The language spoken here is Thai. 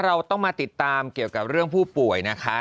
เราต้องมาติดตามเกี่ยวกับเรื่องผู้ป่วยนะคะ